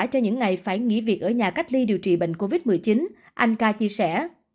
cho những ngày phải nghỉ việc ở nhà cách ly điều trị bệnh covid một mươi chín anh ca chia sẻ